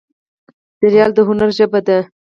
ډرامه د هنر ژبه ده